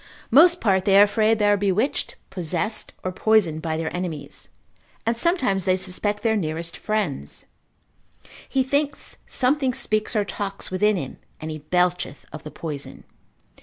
Most part they are afraid they are bewitched, possessed, or poisoned by their enemies, and sometimes they suspect their nearest friends: he thinks something speaks or talks within him, and he belcheth of the poison.